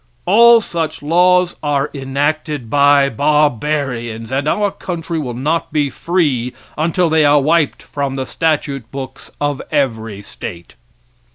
All such laws are enacted by barbarians, and our country will not be free until they are wiped from the statute books of every state.